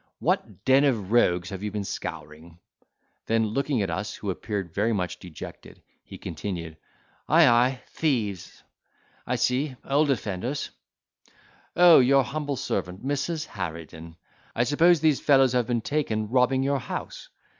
What den of rogues have you been scouring?" Then looking at us, who appeared very much dejected, he continued: "Ay, ay, thieves. I see—old offenders; oh, your humble servant, Mrs. Harridan! I suppose these fellows have been taken robbing your house.